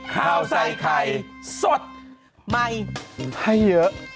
ข้าวใส่ไข่สดใหม่ให้เยอะ